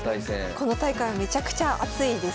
この大会はめちゃくちゃ熱いです。